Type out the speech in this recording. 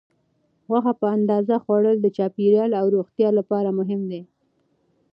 غوښه په اندازه خوړل د چاپیریال او روغتیا لپاره مهم دي.